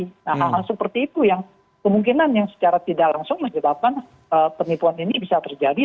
nah hal hal seperti itu yang kemungkinan yang secara tidak langsung menyebabkan penipuan ini bisa terjadi